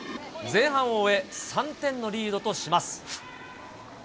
前半を終え、３点のリードとします。